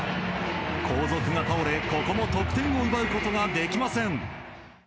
後続が倒れ、ここも得点を奪うことができません。